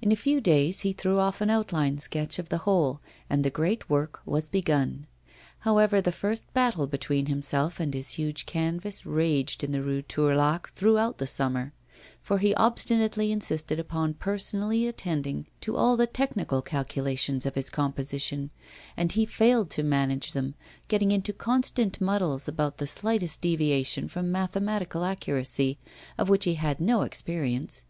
In a few days he threw off an outline sketch of the whole, and the great work was begun. However, the first battle between himself and his huge canvas raged in the Rue Tourlaque throughout the summer; for he obstinately insisted upon personally attending to all the technical calculations of his composition, and he failed to manage them, getting into constant muddles about the slightest deviation from mathematical accuracy, of which he had no experience.